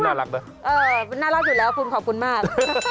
น่ารักดีแล้วครับคุณขอบคุณมาก